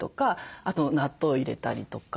あと納豆を入れたりとか。